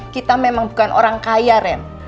kita memang bukan orang kaya ren